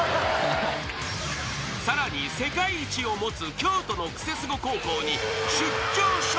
［さらに世界一を持つ京都のクセスゴ高校に出張笑